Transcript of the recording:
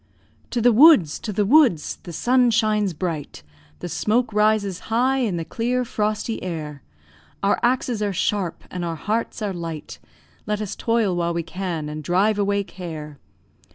To the woods! to the woods! The sun shines bright, The smoke rises high in the clear frosty air; Our axes are sharp, and our hearts are light, Let us toil while we can and drive away care.